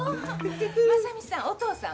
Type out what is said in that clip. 真実さんお父さんは？